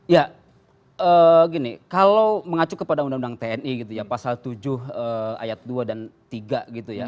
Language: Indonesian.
ya gini kalau mengacu kepada undang undang tni gitu ya pasal tujuh ayat dua dan tiga gitu ya